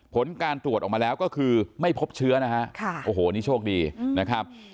ผลการตรวจออกมาแล้วก็คือไม่พบเชื้อนะฮะโอ้โหนี่โชคดีนะครับ